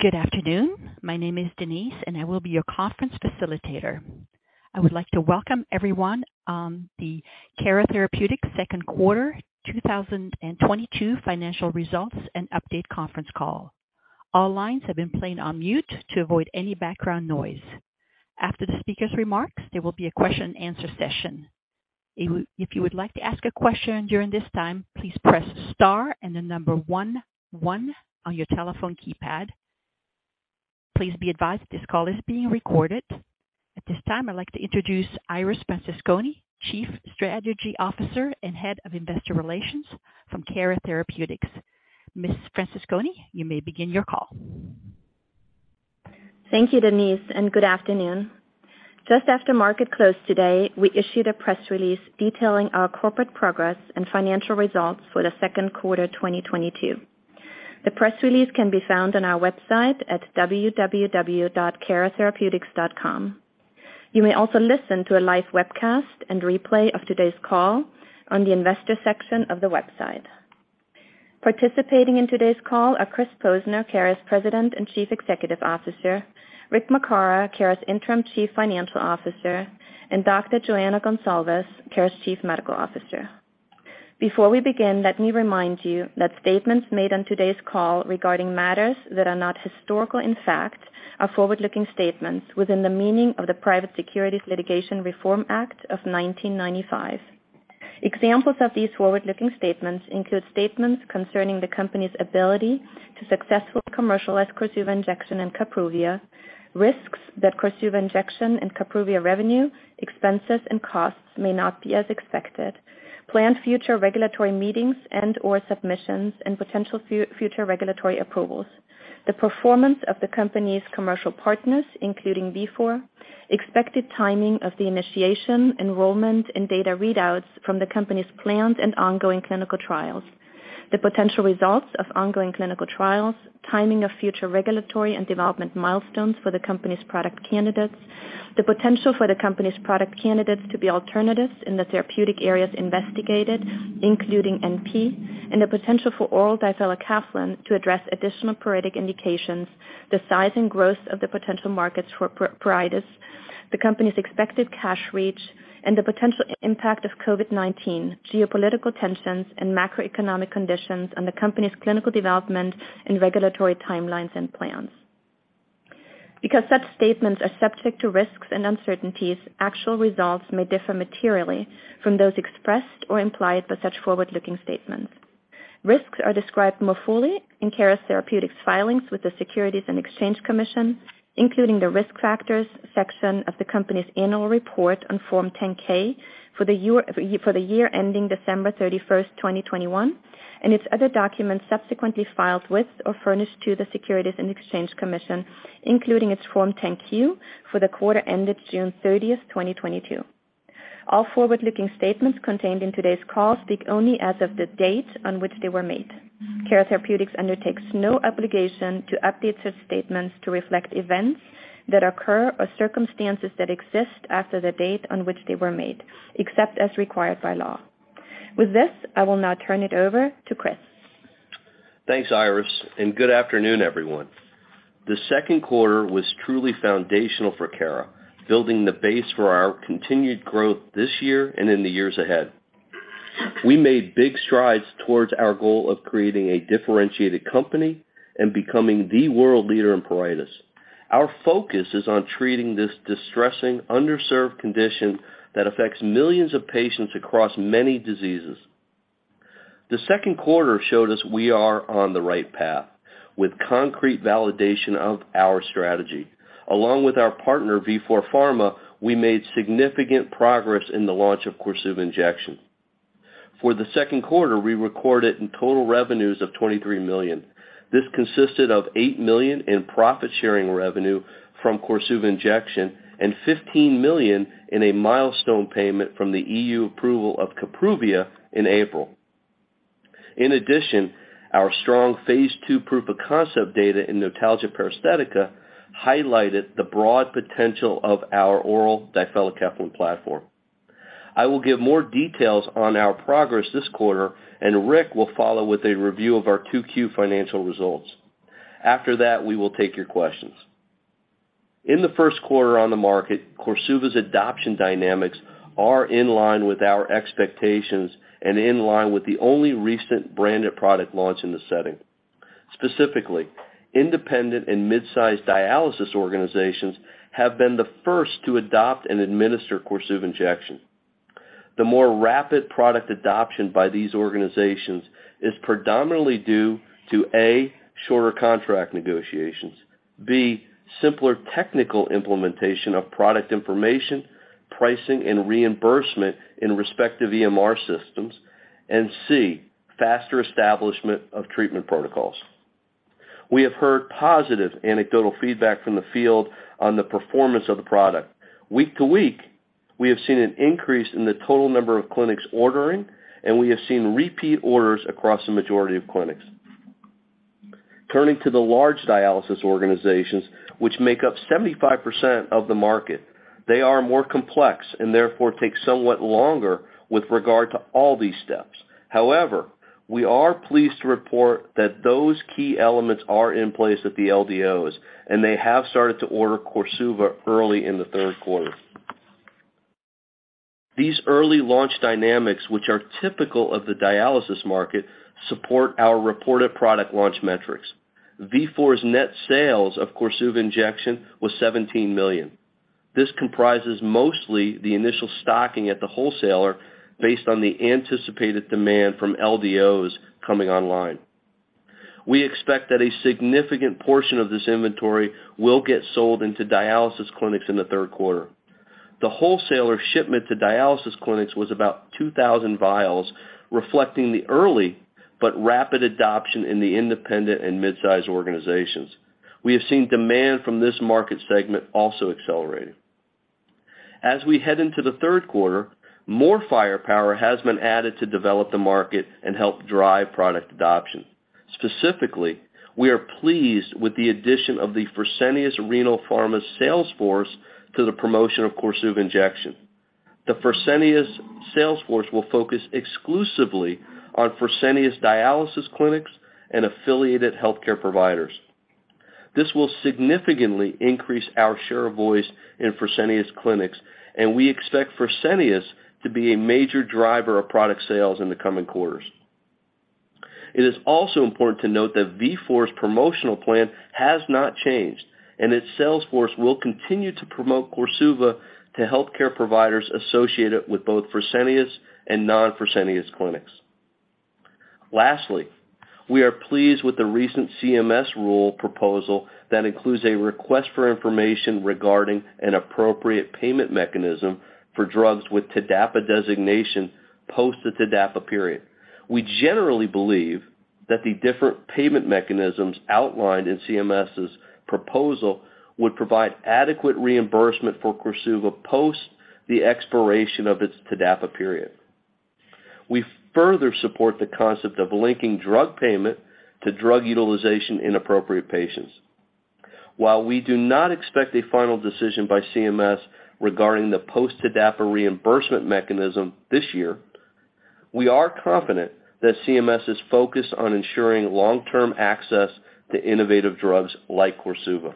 Good afternoon. My name is Denise, and I will be your conference facilitator. I would like to welcome everyone on the Cara Therapeutics second quarter 2022 financial results and update conference call. All lines have been placed on mute to avoid any background noise. After the speaker's remarks, there will be a question and answer session. If you would like to ask a question during this time, please press star and the number one on your telephone keypad. Please be advised this call is being recorded. At this time, I'd like to introduce Iris Francesconi, Chief Strategy Officer and Head of Investor Relations from Cara Therapeutics. Ms. Francesconi, you may begin your call. Thank you, Denise, and good afternoon. Just after market close today, we issued a press release detailing our corporate progress and financial results for the second quarter 2022. The press release can be found on our website at www.caratherapeutics.com. You may also listen to a live webcast and replay of today's call on the investor section of the website. Participating in today's call are Chris Posner, Cara's President and Chief Executive Officer, Rick Makara, Cara's Interim Chief Financial Officer, and Dr. Joana Goncalves, Cara's Chief Medical Officer. Before we begin, let me remind you that statements made on today's call regarding matters that are not historical in fact are forward-looking statements within the meaning of the Private Securities Litigation Reform Act of 1995. Examples of these forward-looking statements include statements concerning the company's ability to successfully commercialize KORSUVA Injection and Kapruvia, risks that KORSUVA Injection and Kapruvia revenue, expenses, and costs may not be as expected. Planned future regulatory meetings and/or submissions and potential future regulatory approvals. The performance of the company's commercial partners, including Vifor. Expected timing of the initiation, enrollment, and data readouts from the company's planned and ongoing clinical trials. The potential results of ongoing clinical trials. Timing of future regulatory and development milestones for the company's product candidates. The potential for the company's product candidates to be alternatives in the therapeutic areas investigated, including NP, and the potential for oral difelikefalin to address additional pruritic indications. The size and growth of the potential markets for pruritus. The company's expected cash reach and the potential impact of COVID-19, geopolitical tensions and macroeconomic conditions on the company's clinical development and regulatory timelines and plans. Because such statements are subject to risks and uncertainties, actual results may differ materially from those expressed or implied by such forward-looking statements. Risks are described more fully in Cara Therapeutics' filings with the Securities and Exchange Commission, including the Risk Factors section of the company's Annual Report on Form 10-K for the year ending December 31st, 2021, and its other documents subsequently filed with or furnished to the Securities and Exchange Commission, including its Form 10-Q for the quarter ended June 30, 2022. All forward-looking statements contained in today's call speak only as of the date on which they were made. Cara Therapeutics undertakes no obligation to update such statements to reflect events that occur or circumstances that exist after the date on which they were made, except as required by law. With this, I will now turn it over to Chris. Thanks, Iris, and good afternoon, everyone. The second quarter was truly foundational for Cara, building the base for our continued growth this year and in the years ahead. We made big strides towards our goal of creating a differentiated company and becoming the world leader in pruritus. Our focus is on treating this distressing, underserved condition that affects millions of patients across many diseases. The second quarter showed us we are on the right path with concrete validation of our strategy. Along with our partner, Vifor Pharma, we made significant progress in the launch of KORSUVA injection. For the second quarter, we recorded in total revenues of $23 million. This consisted of $8 million in profit-sharing revenue from KORSUVA Injection and $15 million in a milestone payment from the EU approval of Kapruvia in April. In addition, our strong phase II proof-of-concept data in notalgia paresthetica highlighted the broad potential of our oral difelikefalin platform. I will give more details on our progress this quarter, and Rick will follow with a review of our 2Q financial results. After that, we will take your questions. In the first quarter on the market, KORSUVA's adoption dynamics are in line with our expectations and in line with the only recent branded product launch in the setting. Specifically, independent and mid-sized dialysis organizations have been the first to adopt and administer KORSUVA Injection. The more rapid product adoption by these organizations is predominantly due to, A, shorter contract negotiations, B, simpler technical implementation of product information, pricing, and reimbursement in respective EMR systems, and C, faster establishment of treatment protocols. We have heard positive anecdotal feedback from the field on the performance of the product. Week to week, we have seen an increase in the total number of clinics ordering, and we have seen repeat orders across the majority of clinics. Turning to the large dialysis organizations, which make up 75% of the market. They are more complex and therefore take somewhat longer with regard to all these steps. However, we are pleased to report that those key elements are in place at the LDOs, and they have started to order KORSUVA early in the third quarter. These early launch dynamics, which are typical of the dialysis market, support our reported product launch metrics. Vifor's net sales of KORSUVA Injection was $17 million. This comprises mostly the initial stocking at the wholesaler based on the anticipated demand from LDOs coming online. We expect that a significant portion of this inventory will get sold into dialysis clinics in the third quarter. The wholesaler shipment to dialysis clinics was about 2,000 vials, reflecting the early but rapid adoption in the independent and mid-size organizations. We have seen demand from this market segment also accelerating. As we head into the third quarter, more firepower has been added to develop the market and help drive product adoption. Specifically, we are pleased with the addition of the Fresenius Renal Pharma sales force to the promotion of KORSUVA Injection. The Fresenius sales force will focus exclusively on Fresenius dialysis clinics and affiliated healthcare providers. This will significantly increase our share of voice in Fresenius clinics, and we expect Fresenius to be a major driver of product sales in the coming quarters. It is also important to note that Vifor's promotional plan has not changed, and its sales force will continue to promote KORSUVA to healthcare providers associated with both Fresenius and non-Fresenius clinics. Lastly, we are pleased with the recent CMS rule proposal that includes a request for information regarding an appropriate payment mechanism for drugs with TDAPA designation post the TDAPA period. We generally believe that the different payment mechanisms outlined in CMS's proposal would provide adequate reimbursement for KORSUVA post the expiration of its TDAPA period. We further support the concept of linking drug payment to drug utilization in appropriate patients. While we do not expect a final decision by CMS regarding the post-TDAPA reimbursement mechanism this year, we are confident that CMS is focused on ensuring long-term access to innovative drugs like KORSUVA.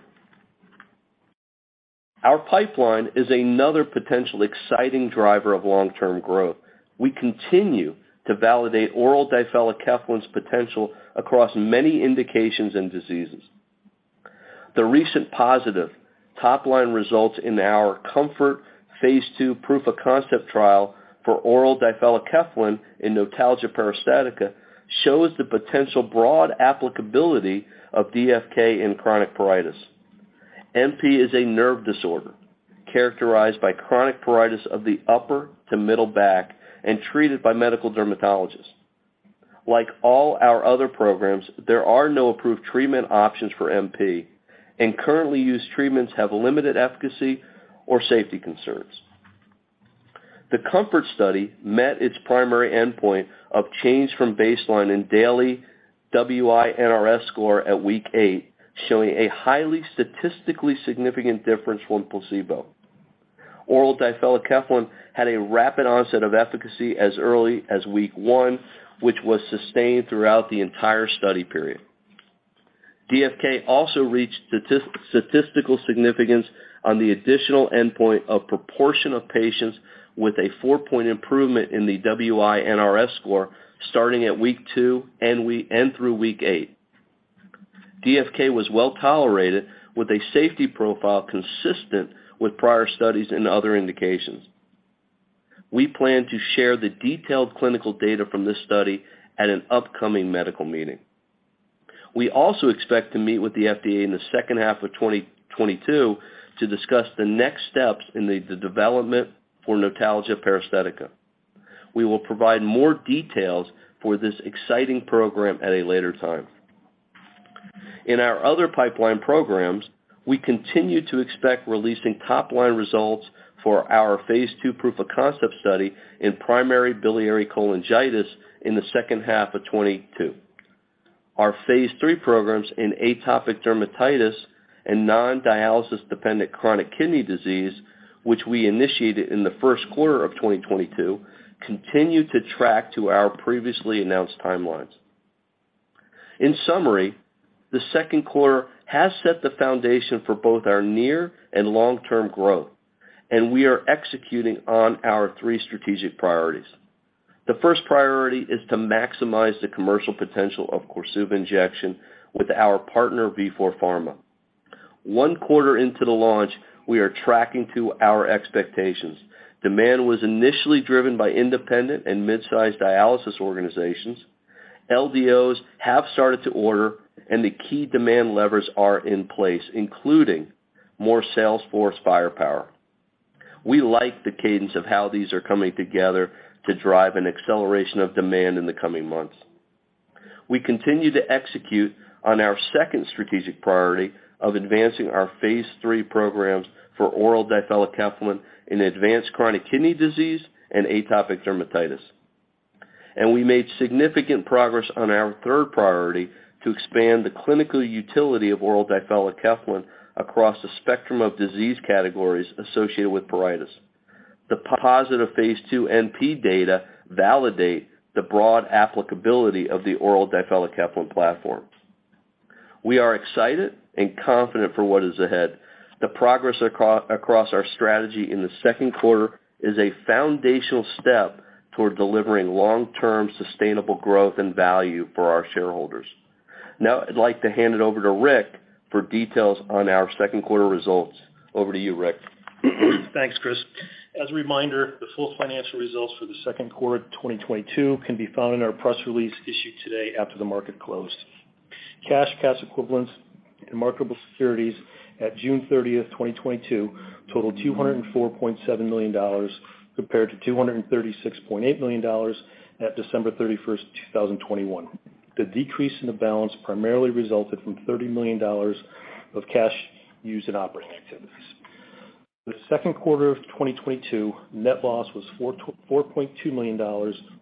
Our pipeline is another potential exciting driver of long-term growth. We continue to validate oral difelikefalin's potential across many indications and diseases. The recent positive top-line results in our KOMFORT Phase II proof-of-concept trial for oral difelikefalin in notalgia paresthetica shows the potential broad applicability of DFK in chronic pruritus. NP is a nerve disorder characterized by chronic pruritus of the upper to middle back and treated by medical dermatologists. Like all our other programs, there are no approved treatment options for NP, and currently used treatments have limited efficacy or safety concerns. The KOMFORT study met its primary endpoint of change from baseline in daily WI-NRS score at week eight, showing a highly statistically significant difference from placebo. Oral difelikefalin had a rapid onset of efficacy as early as week one, which was sustained throughout the entire study period. DFK also reached statistical significance on the additional endpoint of proportion of patients with a four-point improvement in the WI-NRS score starting at week two and through week eight. DFK was well-tolerated with a safety profile consistent with prior studies in other indications. We plan to share the detailed clinical data from this study at an upcoming medical meeting. We also expect to meet with the FDA in the second half of 2022 to discuss the next steps in the development for notalgia paresthetica. We will provide more details for this exciting program at a later time. In our other pipeline programs, we continue to expect releasing top-line results for our phase II proof-of-concept study in primary biliary cholangitis in the second half of 2022. Our phase III programs in atopic dermatitis and non-dialysis dependent chronic kidney disease, which we initiated in the first quarter of 2022, continue to track to our previously announced timelines. In summary, the second quarter has set the foundation for both our near and long-term growth, and we are executing on our three strategic priorities. The first priority is to maximize the commercial potential of KORSUVA Injection with our partner, Vifor Pharma. One quarter into the launch, we are tracking to our expectations. Demand was initially driven by independent and mid-sized dialysis organizations. LDOs have started to order, and the key demand levers are in place, including more sales force firepower. We like the cadence of how these are coming together to drive an acceleration of demand in the coming months. We continue to execute on our second strategic priority of advancing our phase III programs for oral difelikefalin in advanced chronic kidney disease and atopic dermatitis. We made significant progress on our third priority to expand the clinical utility of oral difelikefalin across the spectrum of disease categories associated with pruritus. The positive phase II NP data validate the broad applicability of the oral difelikefalin platform. We are excited and confident for what is ahead. The progress across our strategy in the second quarter is a foundational step toward delivering long-term sustainable growth and value for our shareholders. Now I'd like to hand it over to Rick for details on our second quarter results. Over to you, Rick. Thanks, Chris. As a reminder, the full financial results for the second quarter of 2022 can be found in our press release issued today after the market closed. Cash, cash equivalents, and marketable securities at June 30, 2022 totaled $204.7 million compared to $236.8 million at December 31st, 2021. The decrease in the balance primarily resulted from $30 million of cash used in operating activities. The second quarter of 2022 net loss was $4.2 million,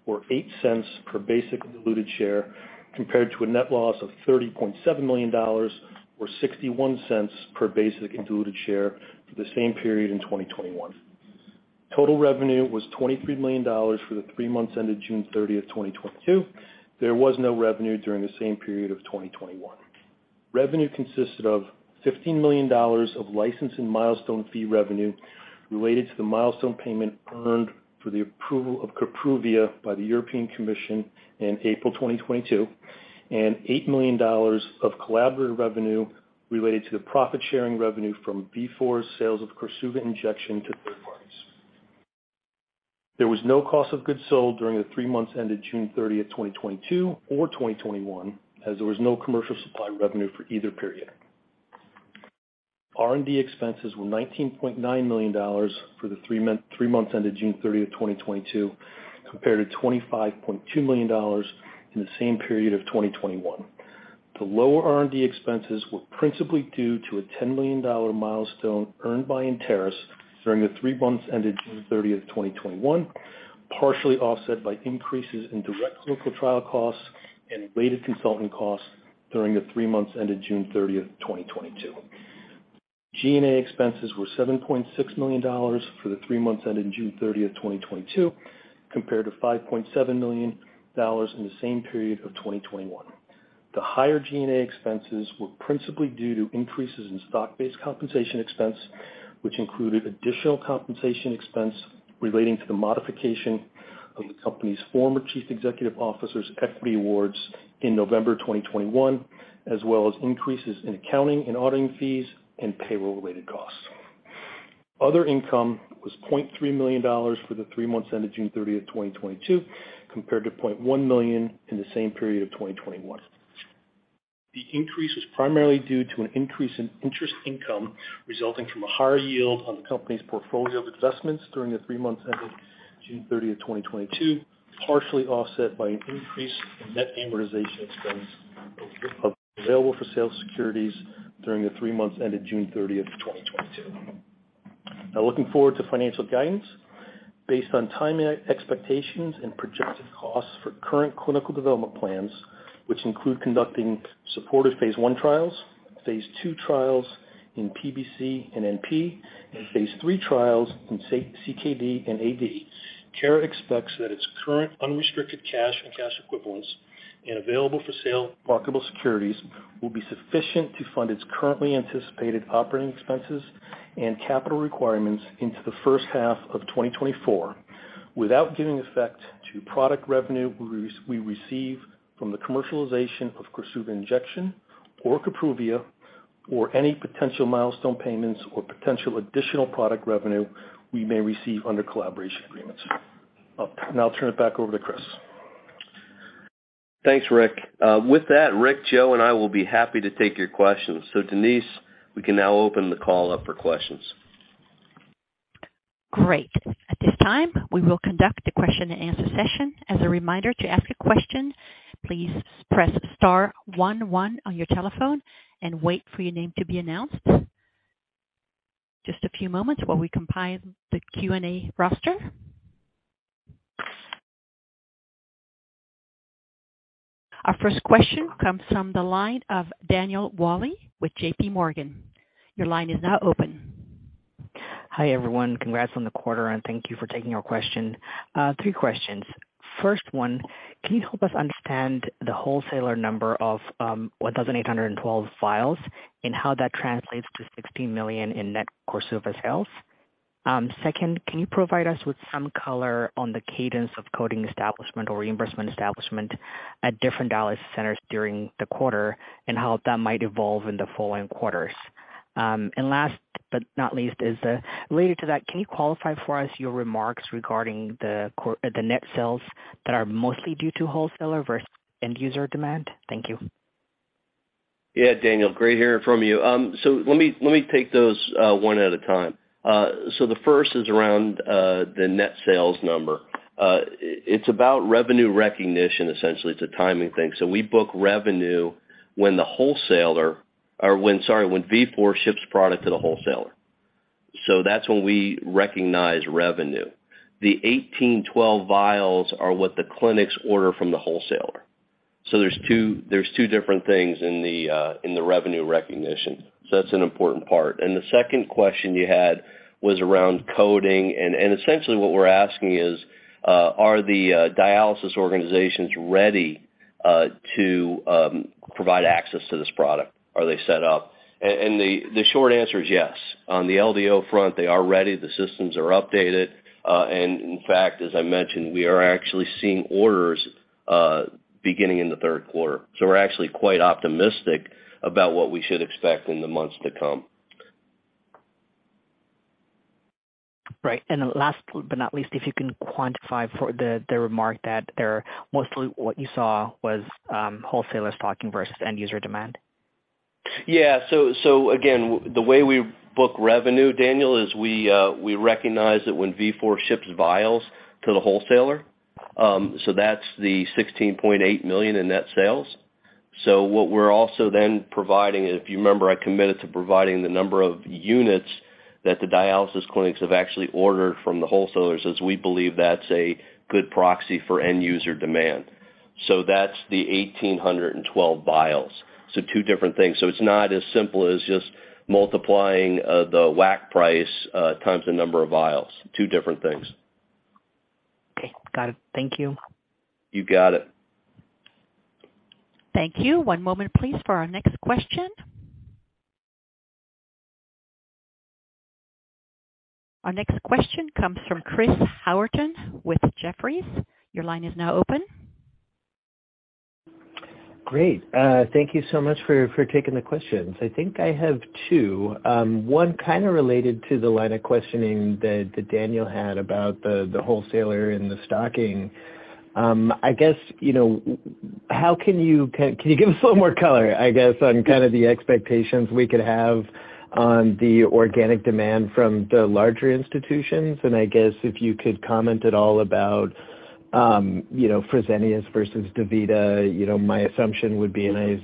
or $0.08 per basic and diluted share, compared to a net loss of $30.7 million or $0.61 per basic and diluted share for the same period in 2021. Total revenue was $23 million for the three months ended June 30, 2022. There was no revenue during the same period of 2021. Revenue consisted of $15 million of license and milestone fee revenue related to the milestone payment earned for the approval of Kapruvia by the European Commission in April 2022 and $8 million of collaborative revenue related to the profit sharing revenue from Vifor's sales of KORSUVA injection to third parties. There was no cost of goods sold during the three months ended June 30, 2022 or 2021, as there was no commercial supply revenue for either period. R&D expenses were $19.9 million for the three months ended June 30, 2022, compared to $25.2 million in the same period of 2021. The lower R&D expenses were principally due to a $10 million milestone earned by Enteris during the three months ended June 30, 2021, partially offset by increases in direct clinical trial costs and related consulting costs during the three months ended June 30, 2022. G&A expenses were $7.6 million for the three months ended June 30, 2022, compared to $5.7 million in the same period of 2021. The higher G&A expenses were principally due to increases in stock-based compensation expense, which included additional compensation expense relating to the modification of the company's former Chief Executive Officer's equity awards in November 2021, as well as increases in accounting and auditing fees and payroll-related costs. Other income was $0.3 million for the three months ended June 30, 2022, compared to $0.1 million in the same period of 2021. The increase was primarily due to an increase in interest income resulting from a higher yield on the company's portfolio of investments during the three months ended June 30, 2022, partially offset by an increase in net amortization expense of available-for-sale securities during the three months ended June 30, 2022. Now looking forward to financial guidance. Based on timing expectations and projected costs for current clinical development plans, which include conducting supportive phase I trials, phase II trials in PBC and NP, and phase III trials in CKD and AD, Cara expects that its current unrestricted cash and cash equivalents and available for sale marketable securities will be sufficient to fund its currently anticipated operating expenses and capital requirements into the first half of 2024 without giving effect to product revenue we receive from the commercialization of KORSUVA Injection or Kapruvia or any potential milestone payments or potential additional product revenue we may receive under collaboration agreements. Now I'll turn it back over to Chris. Thanks, Rick. With that, Rick, Jo and I will be happy to take your questions. Denise, we can now open the call up for questions. Great. At this time, we will conduct a question-and-answer session. As a reminder, to ask a question, please press star one one on your telephone and wait for your name to be announced. Just a few moments while we compile the Q&A roster. Our first question comes from the line of Daniel Wolle with JPMorgan. Your line is now open. Hi, everyone. Congrats on the quarter, and thank you for taking our question. Three questions. First one, can you help us understand the wholesaler number of 1,812 vials and how that translates to $16 million in net KORSUVA sales? Second, can you provide us with some color on the cadence of coding establishment or reimbursement establishment at different dialysis centers during the quarter, and how that might evolve in the following quarters? Last but not least is related to that, can you qualify for us your remarks regarding the net sales that are mostly due to wholesaler versus end user demand? Thank you. Yeah. Daniel, great hearing from you. Let me take those one at a time. The first is around the net sales number. It's about revenue recognition, essentially. It's a timing thing. We book revenue when Vifor ships product to the wholesaler. That's when we recognize revenue. The 1,812 vials are what the clinics order from the wholesaler. There's two different things in the revenue recognition. That's an important part. The second question you had was around coding, and essentially what we're asking is, are the dialysis organizations ready to provide access to this product? Are they set up? The short answer is yes. On the LDO front, they are ready, the systems are updated, and in fact, as I mentioned, we are actually seeing orders, beginning in the third quarter. We're actually quite optimistic about what we should expect in the months to come. Right. Last but not least, if you can quantify for the remark that there mostly what you saw was, wholesalers talking versus end user demand. Yeah. Again, the way we book revenue, Daniel, is we recognize that when Vifor ships vials to the wholesaler, that's the $16.8 million in net sales. What we're also then providing, if you remember, I committed to providing the number of units that the dialysis clinics have actually ordered from the wholesalers, as we believe that's a good proxy for end user demand. That's the 1,812 vials. Two different things. It's not as simple as just multiplying the WAC price times the number of vials. Two different things. Okay. Got it. Thank you. You got it. Thank you. One moment please for our next question. Our next question comes from Chris Howerton with Jefferies. Your line is now open. Great. Thank you so much for taking the questions. I think I have two. One kind of related to the line of questioning that Daniel had about the wholesaler and the stocking. I guess, you know, can you give us a little more color, I guess, on kind of the expectations we could have on the organic demand from the larger institutions? And I guess if you could comment at all about, you know, Fresenius versus DaVita. You know, my assumption would be, and I,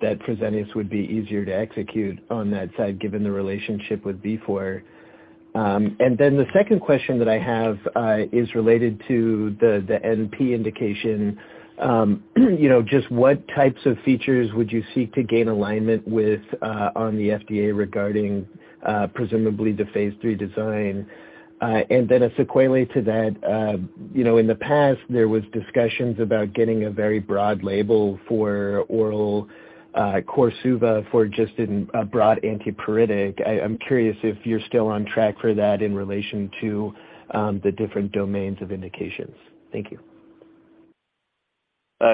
that Fresenius would be easier to execute on that side given the relationship with Vifor. And then the second question that I have is related to the NP indication. You know, just what types of features would you seek to gain alignment with on the FDA regarding presumably the phase III design? Then a sequel to that, you know, in the past there was discussions about getting a very broad label for oral KORSUVA for just a broad antipruritic. I'm curious if you're still on track for that in relation to the different domains of indications. Thank you.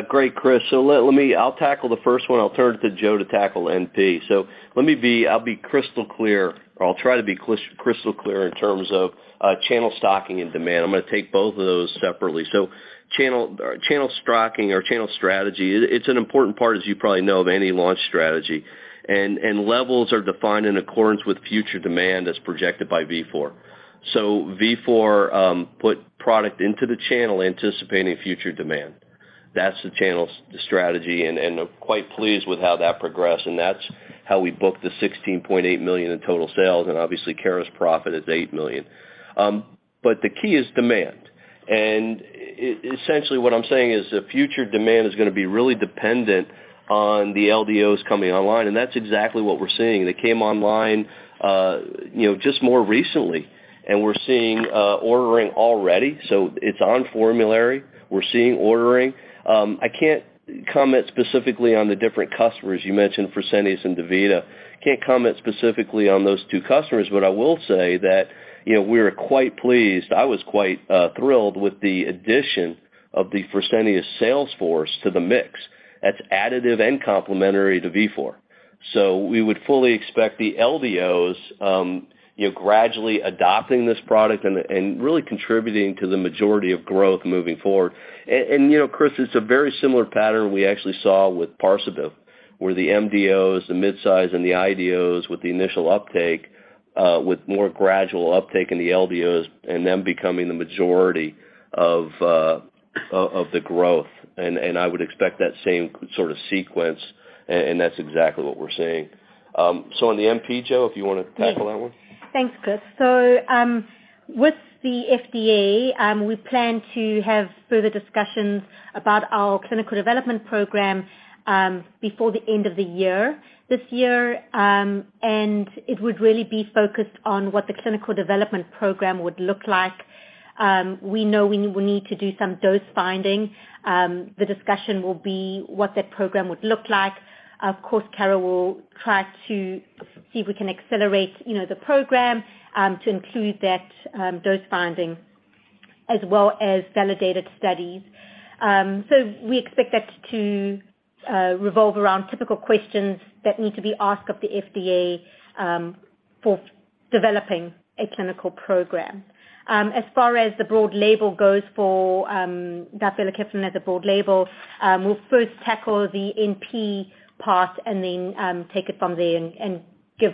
Great, Chris. I'll tackle the first one. I'll turn it to Jo to tackle NP. I'll be crystal clear, or I'll try to be crystal clear in terms of channel stocking and demand. I'm gonna take both of those separately. Channel stocking or channel strategy, it's an important part, as you probably know, of any launch strategy. Levels are defined in accordance with future demand as projected by Vifor. Vifor put product into the channel anticipating future demand. That's the channel strategy, and I'm quite pleased with how that progressed, and that's how we booked the $16.8 million in total sales, and obviously Cara's profit is $8 million. But the key is demand. Essentially what I'm saying is the future demand is gonna be really dependent on the LDOs coming online, and that's exactly what we're seeing. They came online, you know, just more recently, and we're seeing ordering already. It's on formulary. We're seeing ordering. I can't comment specifically on the different customers. You mentioned Fresenius and DaVita. Can't comment specifically on those two customers, but I will say that, you know, we are quite pleased. I was quite thrilled with the addition of the Fresenius sales force to the mix. That's additive and complementary to Vifor. We would fully expect the LDOs, you know, gradually adopting this product and really contributing to the majority of growth moving forward. You know, Chris, it's a very similar pattern we actually saw with Parsabiv, where the MDOs, the midsize and the IDOs with the initial uptake, with more gradual uptake in the LDOs and them becoming the majority of the growth. I would expect that same sort of sequence, and that's exactly what we're seeing. On the NP, Jo, if you wanna tackle that one. Yeah. Thanks, Chris. With the FDA, we plan to have further discussions about our clinical development program, before the end of the year, this year, and it would really be focused on what the clinical development program would look like. We know we need to do some dose finding. The discussion will be what that program would look like. Of course, Cara will try to see if we can accelerate, you know, the program, to include that, dose finding as well as validated studies. We expect that to revolve around typical questions that need to be asked of the FDA, for developing a clinical program. As far as the broad label goes for difelikefalin as a broad label, we'll first tackle the NP part and then take it from there and give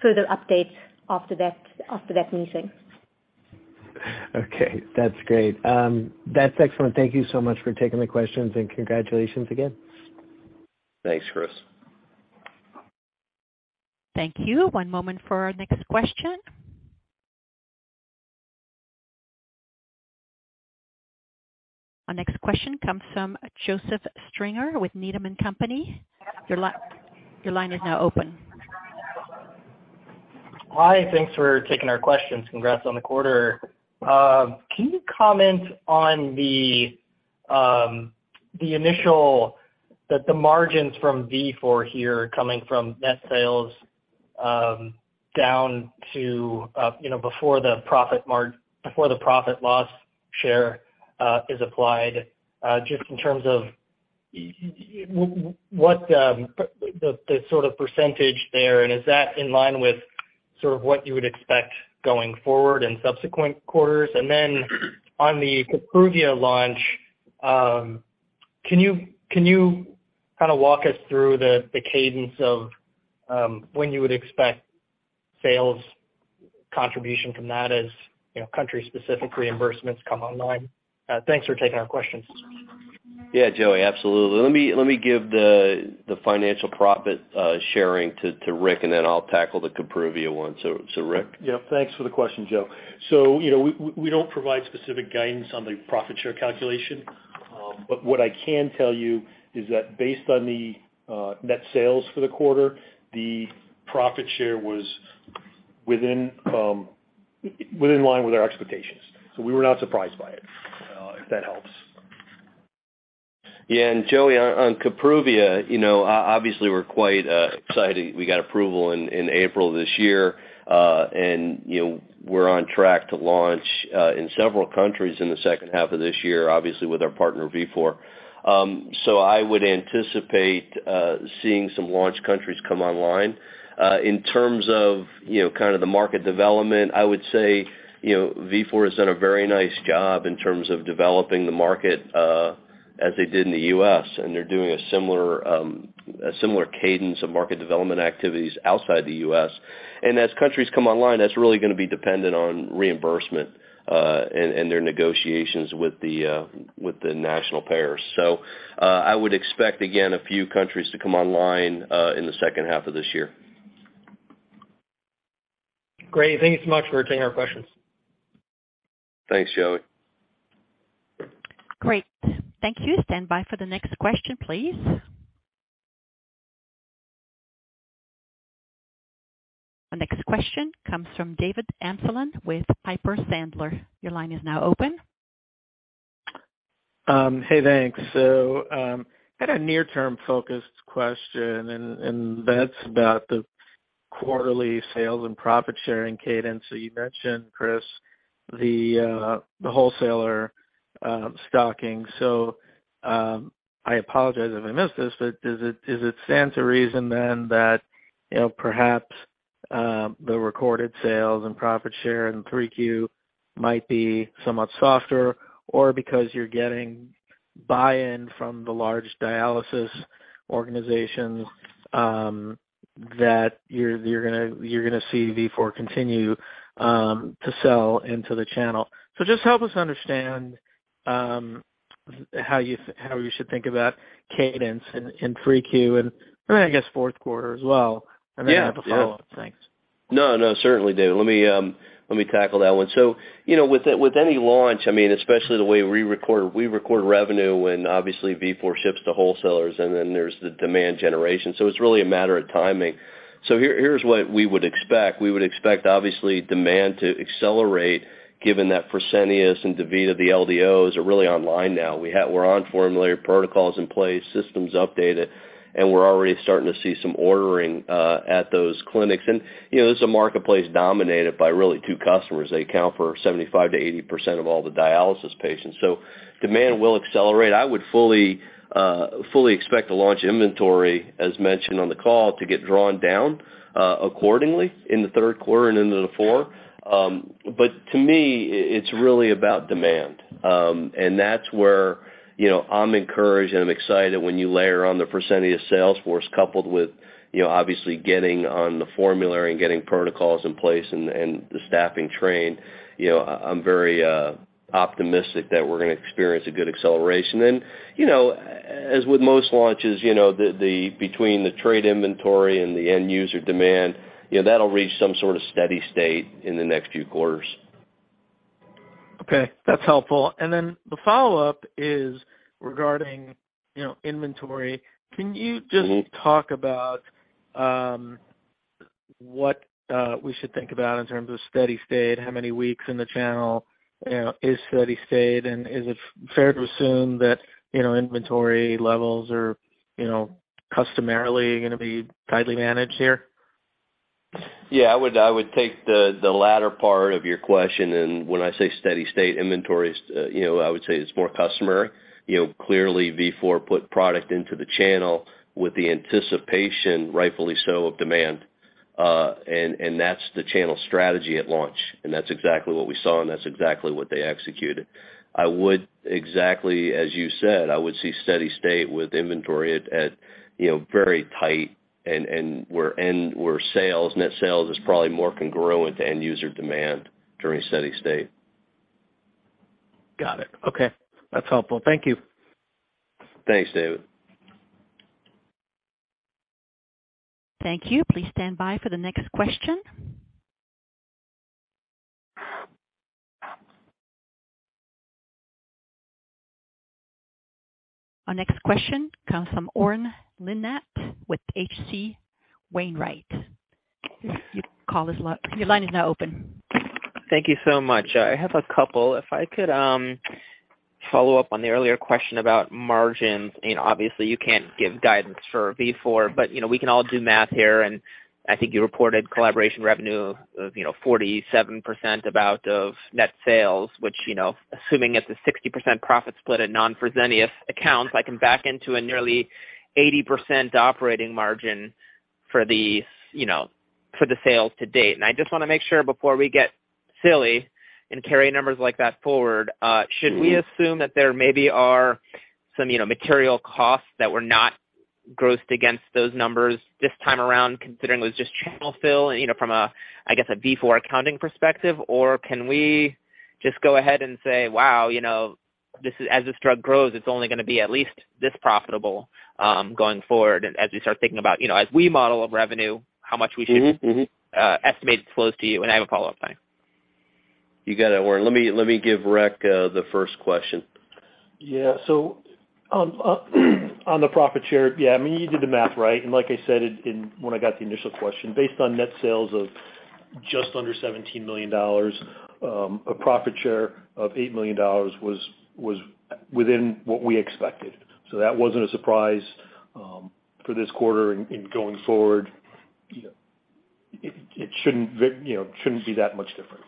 further updates after that meeting. Okay, that's great. That's excellent. Thank you so much for taking the questions, and congratulations again. Thanks, Chris. Thank you. One moment for our next question. Our next question comes from Joseph Stringer with Needham & Company. Your line is now open. Hi. Thanks for taking our questions. Congrats on the quarter. Can you comment on the initial margins from Vifor here coming from net sales, down to, you know, before the profit/loss share is applied, just in terms of what the sort of percentage there, and is that in line with sort of what you would expect going forward in subsequent quarters? On the Kapruvia launch, can you kinda walk us through the cadence of when you would expect sales contribution from that as you know country-specific reimbursements come online? Thanks for taking our questions. Yeah, Joe, absolutely. Let me give the financial profit sharing to Rick, and then I'll tackle the Kapruvia one. Rick? Yeah, thanks for the question, Joe. You know, we don't provide specific guidance on the profit share calculation. But what I can tell you is that based on the net sales for the quarter, the profit share was in line with our expectations. We were not surprised by it, if that helps. Yeah. Joe, on Kapruvia, you know, obviously we're quite excited we got approval in April this year. You know, we're on track to launch in several countries in the second half of this year, obviously with our partner Vifor. I would anticipate seeing some launch countries come online. In terms of, you know, kind of the market development, I would say, you know, Vifor has done a very nice job in terms of developing the market, as they did in the U.S., and they're doing a similar cadence of market development activities outside the U.S. As countries come online, that's really gonna be dependent on reimbursement, and their negotiations with the national payers. I would expect, again, a few countries to come online in the second half of this year. Great. Thank you so much for taking our questions. Thanks, Joe. Great. Thank you. Stand by for the next question, please. Our next question comes from David Amsellem with Piper Sandler. Your line is now open. Hey, thanks. I had a near-term focused question and that's about the quarterly sales and profit sharing cadence. You mentioned, Chris, the wholesaler stocking. I apologize if I missed this, but does it stand to reason then that, you know, perhaps the recorded sales and profit share in 3Q might be somewhat softer or because you're getting buy-in from the large dialysis organizations that you're gonna see Vifor continue to sell into the channel. Just help us understand how we should think of that cadence in 3Q and I guess fourth quarter as well. Yeah. I have a follow-up. Thanks. No, no, certainly, David. Let me tackle that one. You know, with any launch, I mean, especially the way we record, we record revenue when obviously Vifor ships to wholesalers and then there's the demand generation. It's really a matter of timing. Here's what we would expect. We would expect, obviously, demand to accelerate given that Fresenius and DaVita, the LDOs, are really online now. We're on formulary protocols in place, systems updated, and we're already starting to see some ordering at those clinics. You know, this is a marketplace dominated by really two customers. They account for 75%-80% of all the dialysis patients. Demand will accelerate. I would fully expect the launch inventory, as mentioned on the call, to get drawn down accordingly in the third quarter and into the fourth. To me, it's really about demand. That's where, you know, I'm encouraged and I'm excited when you layer on the Fresenius sales force coupled with, you know, obviously getting on the formulary and getting protocols in place and the staffing trained. You know, I'm very optimistic that we're gonna experience a good acceleration. As with most launches, you know, the balance between the trade inventory and the end user demand, you know, that'll reach some sort of steady state in the next few quarters. Okay, that's helpful. The follow-up is regarding, you know, inventory. Can you just talk about what we should think about in terms of steady state, how many weeks in the channel, you know, is steady state? Is it fair to assume that, you know, inventory levels are, you know, customarily gonna be tightly managed here? Yeah, I would take the latter part of your question, and when I say steady state inventories, you know, I would say it's more customary. You know, clearly Vifor put product into the channel with the anticipation, rightfully so, of demand. That's the channel strategy at launch. That's exactly what we saw, and that's exactly what they executed. I would exactly, as you said, I would see steady state with inventory at, you know, very tight and where sales, net sales is probably more congruent to end user demand during steady state. Got it. Okay, that's helpful. Thank you. Thanks, David. Thank you. Please stand by for the next question. Our next question comes from Oren Livnat with H.C. Wainwright. Your line is now open. Thank you so much. I have a couple. If I could, follow up on the earlier question about margins, and obviously you can't give guidance for Vifor, but, you know, we can all do math here, and I think you reported collaboration revenue of, you know, 47% of net sales, which, you know, assuming it's a 60% profit split at non-Fresenius accounts, I can back into a nearly 80% operating margin for the, you know, sales to date. I just wanna make sure before we get silly and carry numbers like that forward, should we assume that there maybe are some, you know, material costs that were not grossed against those numbers this time around, considering it was just channel fill, you know, from a, I guess, a Vifor accounting perspective? Can we just go ahead and say, wow, you know, this is as this drug grows, it's only gonna be at least this profitable, going forward as we start thinking about, you know, as we model of revenue, how much we should- Mm-hmm, mm-hmm. estimate it flows to you. I have a follow-up. Thanks. You got it, Oren. Let me give Rick the first question. Yeah. On the profit share, yeah, I mean, you did the math right. Like I said when I got the initial question, based on net sales of just under $17 million, a profit share of $8 million was within what we expected. That wasn't a surprise for this quarter and going forward, you know, it shouldn't be that much different.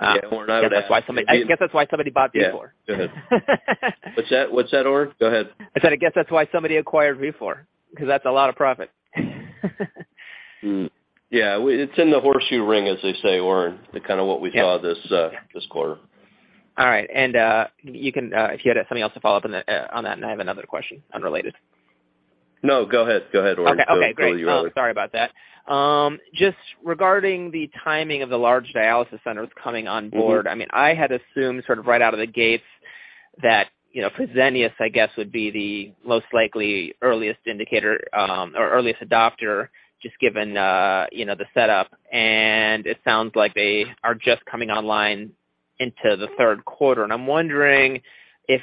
Yeah, Oren, I would ask you. I guess that's why somebody bought Vifor. Yeah. Go ahead. What's that? What's that, Oren? Go ahead. I said I guess that's why somebody acquired Vifor, 'cause that's a lot of profit. Yeah, it's in the home stretch, as they say, Oren, to kinda what we saw. Yeah. this quarter. All right. You can if you had something else to follow up on that, and I have another question unrelated. No, go ahead. Go ahead, Oren. Okay. Okay, great. Go where you were. Sorry about that. Just regarding the timing of the large dialysis centers coming on board. Mm-hmm. I mean, I had assumed sort of right out of the gates that, you know, Fresenius, I guess, would be the most likely earliest indicator, or earliest adopter, just given, you know, the setup. It sounds like they are just coming online into the third quarter. I'm wondering if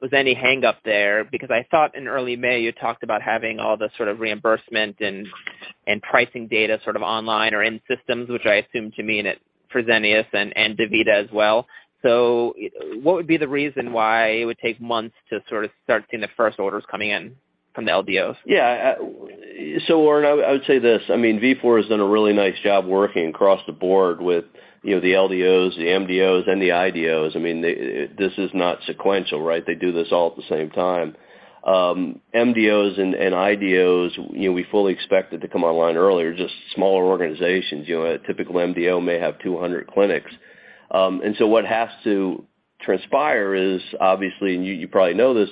there was any hangup there, because I thought in early May you talked about having all the sort of reimbursement and pricing data sort of online or in systems, which I assume to mean at Fresenius and DaVita as well. What would be the reason why it would take months to sort of start seeing the first orders coming in from the LDOs? Yeah. So Oren, I would say this, I mean, Vifor has done a really nice job working across the board with, you know, the LDOs, the MDOs, and the IDOs. I mean, they. This is not sequential, right? They do this all at the same time. MDOs and IDOs, you know, we fully expected to come online earlier, just smaller organizations. You know, a typical MDO may have 200 clinics. What has to transpire is obviously, and you probably know this,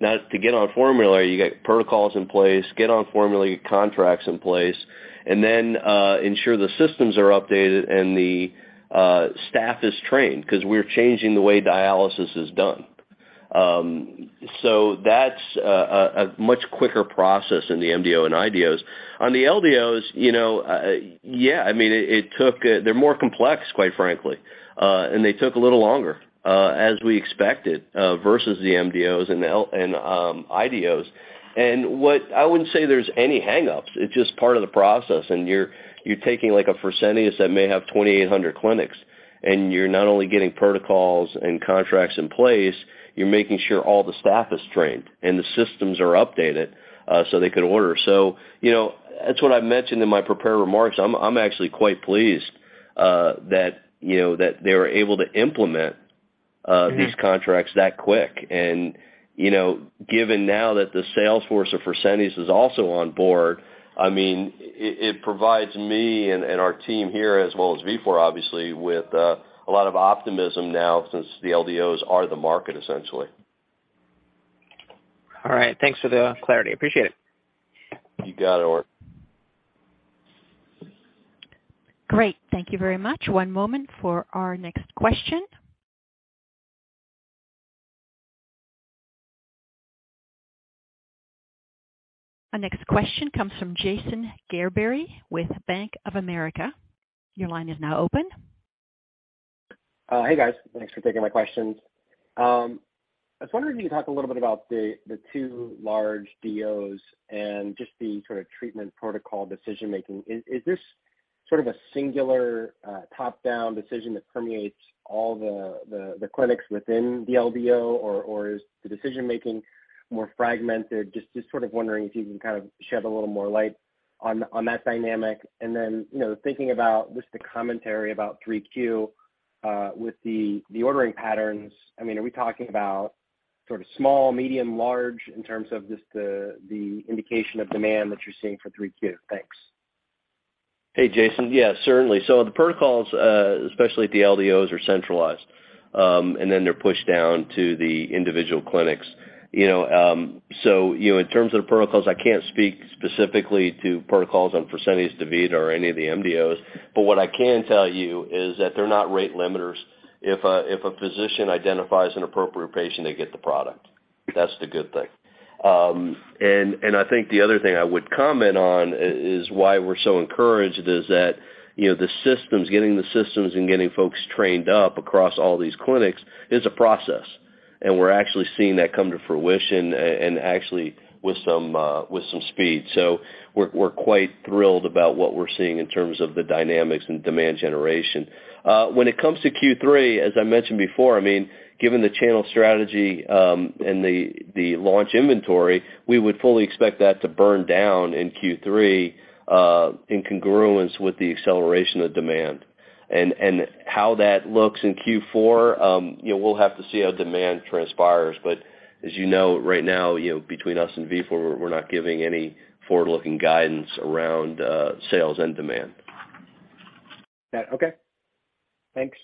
now to get on formulary, you get protocols in place, get on formulary, get contracts in place, and then ensure the systems are updated and the staff is trained, 'cause we're changing the way dialysis is done. That's a much quicker process in the MDO and IDOs. On the LDOs, you know, yeah, I mean, it took. They're more complex, quite frankly. They took a little longer, as we expected, versus the MDOs and the LDOs and IDOs. I wouldn't say there's any hang-ups, it's just part of the process, and you're taking like a Fresenius that may have 2,800 clinics, and you're not only getting protocols and contracts in place, you're making sure all the staff is trained and the systems are updated, so they can order. You know, that's what I mentioned in my prepared remarks. I'm actually quite pleased, that you know, that they were able to implement. Mm-hmm. These contracts that quick. You know, given now that the sales force of Fresenius is also on board, I mean, it provides me and our team here as well as Vifor obviously with a lot of optimism now since the LDOs are the market essentially. All right. Thanks for the clarity. Appreciate it. You got it, Oren. Great. Thank you very much. One moment for our next question. Our next question comes from Jason Gerberry with Bank of America. Your line is now open. Hey, guys. Thanks for taking my questions. I was wondering if you could talk a little bit about the two large DOs and just the sort of treatment protocol decision-making. Is this sort of a singular top-down decision that permeates all the clinics within the LDO or is the decision-making more fragmented? Just sort of wondering if you can kind of shed a little more light on that dynamic. You know, thinking about just the commentary about 3Q with the ordering patterns, I mean, are we talking about sort of small, medium, large in terms of just the indication of demand that you're seeing for 3Q? Thanks. Hey, Jason. Yeah, certainly. The protocols, especially at the LDOs, are centralized, and then they're pushed down to the individual clinics. You know, in terms of the protocols, I can't speak specifically to protocols on Fresenius, DaVita or any of the MDOs, but what I can tell you is that they're not rate limiters. If a physician identifies an appropriate patient, they get the product. That's the good thing. I think the other thing I would comment on is why we're so encouraged is that, you know, the systems, getting the systems and getting folks trained up across all these clinics is a process, and we're actually seeing that come to fruition and actually with some speed. We're quite thrilled about what we're seeing in terms of the dynamics and demand generation. When it comes to Q3, as I mentioned before, I mean, given the channel strategy, and the launch inventory, we would fully expect that to burn down in Q3, in congruence with the acceleration of demand. How that looks in Q4, you know, we'll have to see how demand transpires. But as you know, right now, you know, between us and Vifor, we're not giving any forward-looking guidance around sales and demand. Yeah. Okay. Thanks.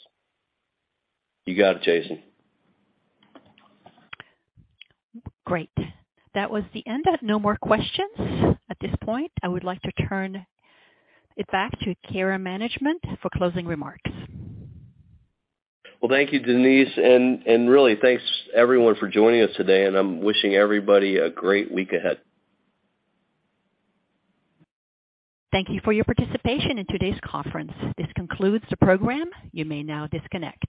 You got it, Jason. Great. That was the end. I have no more questions at this point. I would like to turn it back to Cara Management for closing remarks. Well, thank you, Denise. Really thanks everyone for joining us today, and I'm wishing everybody a great week ahead. Thank you for your participation in today's conference. This concludes the program. You may now disconnect.